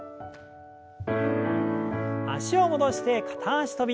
脚を戻して片脚跳び。